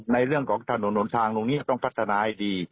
ในเรื่องของถนนหนทางตรงนี้ต้องพัฒนาให้ดี